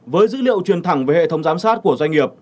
với dữ liệu truyền thẳng về hệ thống giám sát của doanh nghiệp